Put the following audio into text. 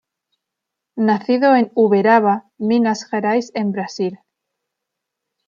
Nacido en Uberaba, Minas Gerais en Brasil.